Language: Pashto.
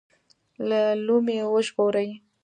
له لومې وژغوري.